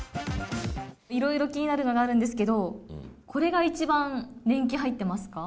いろいろ気になるのがあるんですけど、これが一番、年季入ってますか？